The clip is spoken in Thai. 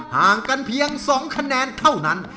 ห่างกันเพียง๒คะแนนเท่านั้น